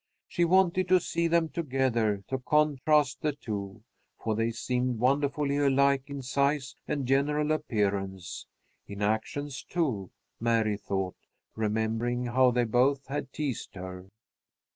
She wanted to see them together to contrast the two, for they seemed wonderfully alike in size and general appearance. In actions, too, Mary thought, remembering how they both had teased her.